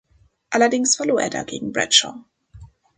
Allerdings verlor er da gegen Bradshaw.